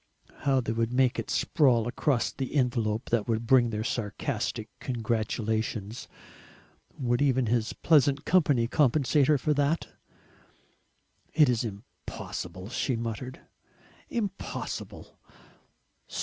How they would make it sprawl across the envelope that would bring their sarcastic congratulations. Would even his pleasant company compensate her for that? "It is impossible," she muttered; "impossible!